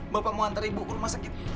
bapak mau antar ibu ke rumah sakit